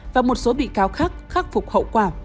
và một số bị cáo khác khắc phục hậu quả